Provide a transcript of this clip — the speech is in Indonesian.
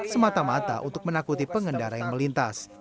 semata mata untuk menakuti pengendara yang melintas